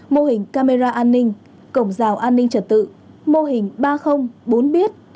mô hình camera an ninh cổng rào an ninh trật tự mô hình ba trăm linh bốn biết